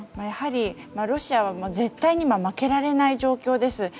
やはりロシアは絶対に負けられない状況です。